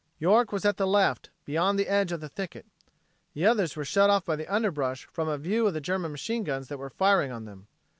York was at the left, beyond the edge of the thicket. The others were shut off by the underbrush from a view of the German machine guns that were firing on them.